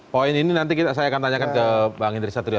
poin ini nanti saya akan tanyakan ke bang indri satrio